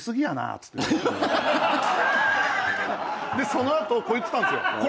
その後こう言ってたんすよ。